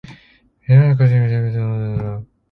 Benedictine College teams are known as the Ravens.